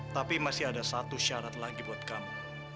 tapi masih ada satu syarat lagi buat kamu